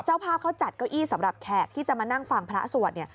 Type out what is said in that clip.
เจ้าภาพเขาจัดเก้าอี้สำหรับแขกที่จะมานั่งฟังพระสวดเนี่ย